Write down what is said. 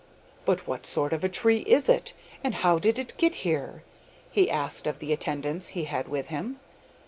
'But what sort of a tree is it, and how did it get here?' he asked of the attendants he had with him.